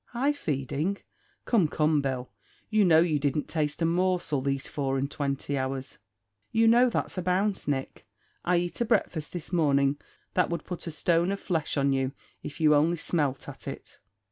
"High feeding! Come, come, Bill, you know you didn't taste a morsel these four and twenty hours." "You know that's a bounce, Nick. I eat a breakfast this morning that would put a stone of flesh on you, if you only smelt at it."